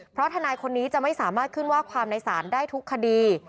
เพราะทนายคนนี้จะไม่สามารถขึ้นว่าความในศาลได้ทุกคดี